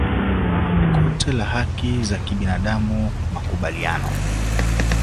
Kote la Haki za Kibinadamu na Makubaliano